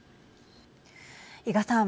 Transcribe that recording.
伊賀さん。